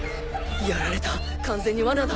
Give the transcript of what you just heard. やられた完全に罠だ